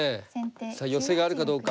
さあ寄せがあるかどうか。